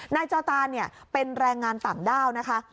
จอตานเป็นแรงงานต่างด้าวนะคะ